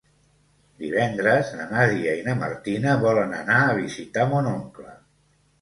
Divendres na Nàdia i na Martina volen anar a visitar mon oncle.